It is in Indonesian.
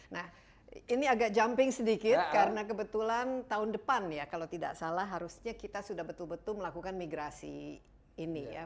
nah ini agak jumping sedikit karena kebetulan tahun depan ya kalau tidak salah harusnya kita sudah betul betul melakukan migrasi ini ya